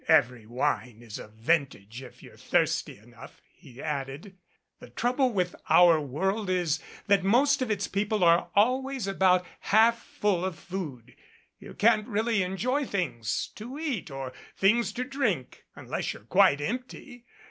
"Every wine is a vintage if you're thirsty enough," he added. "The trouble with our world is that most of its people are always about half full of food. You can't really enjoy things to eat or things to drink unless you're quite empty.